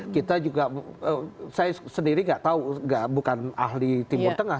kita juga saya sendiri nggak tahu bukan ahli timur tengah